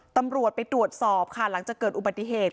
ตำรวจไปตรวจสอบค่ะหลังจากเกิดอุบัติเหตุ